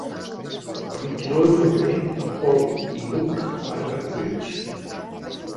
El vint-i-nou de febrer en Pol i n'Hug van a Cubells.